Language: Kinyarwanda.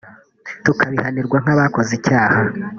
tukabihanirwa nk’abakoze icyaha